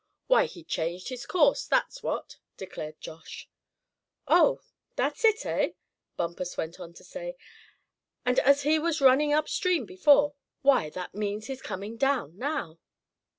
"Why, he changed his course, that's what," declared Josh. "Oh! that's it, eh?" Bumpus went on to say, "and as he was running up stream before, why, that means he's coming down now."